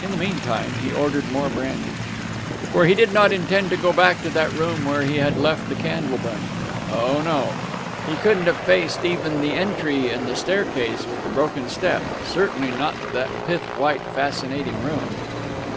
In the meantime he ordered more brandy. For he did not intend to go back to that room where he had left the candle burning. Oh no! He couldn't have faced even the entry and the staircase with the broken step certainly not that pith white, fascinating room.